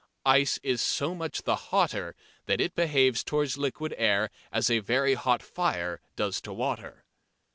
Ice is so much the hotter that it behaves towards liquid air as a very hot fire does to water.